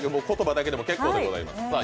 言葉だけでも結構でございます。